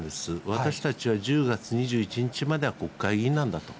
私たちは１０月２１日までは国会議員なんだと。